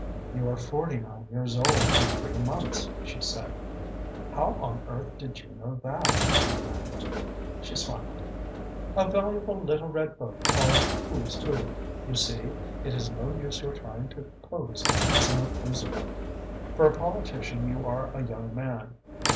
"You are forty nine years old and three months," she said. "How on earth did you know that?" he demanded. She smiled. "A valuable little red book called 'Who's Who.' You see, it is no use your trying to pose as a Methuselah. For a politician you are a young man.